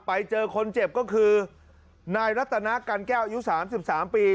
ไปเจอคนเจ็บก็คือนายรัตนาการแก้วอายุ๓๓ปี